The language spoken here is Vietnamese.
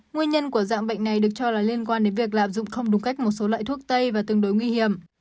nguyên nhân của dạng bệnh này được cho là liên quan đến việc lạm dụng không đúng cách một số loại thuốc tây và tương đối nguy hiểm